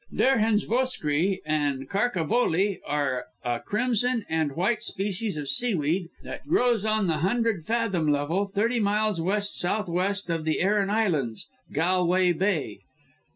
Derhens Voskry and Karka Voli are a crimson and white species of seaweed, that grows on the hundred fathom level, thirty miles west southwest of the Aran Islands, Galway Bay.